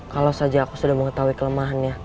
kalau saja aku sudah mengetahui kelemahannya